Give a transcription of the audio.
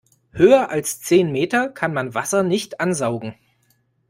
Höher als zehn Meter kann man Wasser nicht ansaugen.